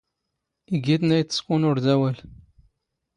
ⵉⴳⵉⵜⵏ ⴰⴷ ⵉⵜⵜⵚⴽⵓⵏ ⵓⵔ ⴷ ⴰⵡⴰⵍ.